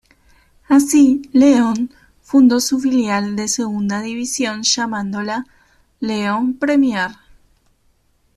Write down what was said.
Así, León fundó su filial de Segunda División llamándola "León Premier".